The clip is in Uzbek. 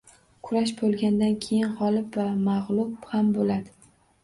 Kurash boʻlgandan keyin, gʻolib va magʻlub ham boʻladi